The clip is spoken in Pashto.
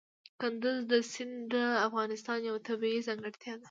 کندز سیند د افغانستان یوه طبیعي ځانګړتیا ده.